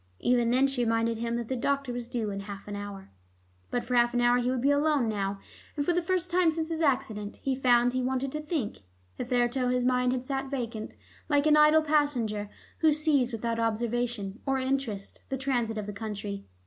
Even then she reminded him that the doctor was due in half an hour. But for half an hour he would be alone now, and for the first time since his accident he found that he wanted to think. Hitherto his mind had sat vacant, like an idle passenger who sees without observation or interest the transit of the country.